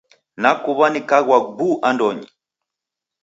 Nakuw'a nikagwa bu andonyi.